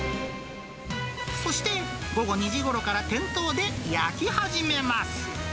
そして、午後２時ごろから店頭で焼き始めます。